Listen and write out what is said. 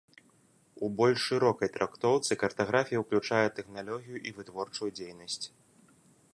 У больш шырокай трактоўцы картаграфія ўключае тэхналогію і вытворчую дзейнасць.